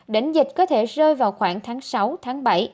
đỉnh dịch có thể rơi vào khoảng tháng sáu tháng bảy